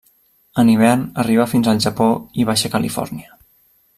En hivern arriba fins al Japó i Baixa Califòrnia.